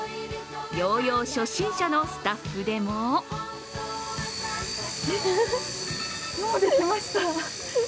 ヨーヨー初心者のスタッフでももうできました。